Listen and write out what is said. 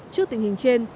trước tình hình trên